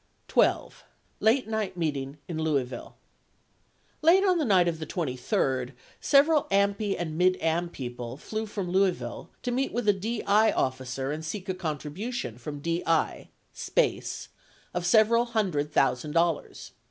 12. LATE NIGHT MEETING IN LOUISVILLE Late on the night of the 23d, several AMPI and Mid Am people flew to Louisville to meet, with a DI officer and seek a contribution from DI (SPACE) of several hundred thousand dollars.